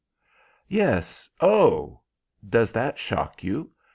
"Yes, oh! Does that shock you?